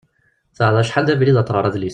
Teɛreḍ acḥal d abrid ad tɣer adlis.